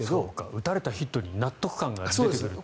打たれたヒットに納得感が出てくるという。